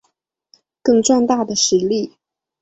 更壮大的实力